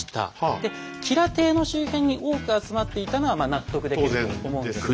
で吉良邸の周辺に多く集まっていたのはまあ納得できると思うんですが。